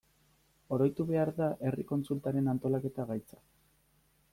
Oroitu behar da herri kontsultaren antolaketa gaitza.